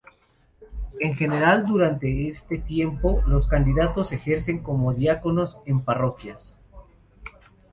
En general, durante este tiempo los candidatos ejercen como diáconos en parroquias.